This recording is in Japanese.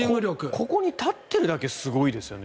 ここに立ってるだけすごいですよね